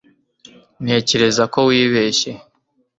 ntekereza ko wibeshye